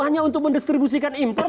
hanya untuk mendistribusikan impor